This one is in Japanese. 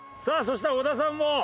さあそして小田さんも。